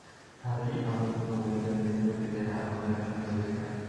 হাড়ের ঘনত্ব কমে গেলে বৃদ্ধ ব্যক্তিদের হাড় ভাঙার আশঙ্কা বেড়ে যায়।